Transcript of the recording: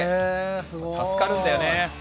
助かるんだよね。